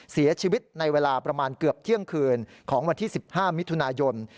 เสียชีวิตในเวลาประมาณเกือบเที่ยงคืนของวันที่๑๕มิถุนายน